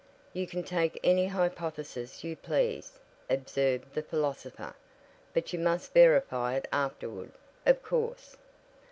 "You can take any hypothesis you please," observed the philosopher, "but you must verify it afterward, of course."